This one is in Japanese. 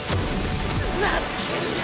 ざけんな！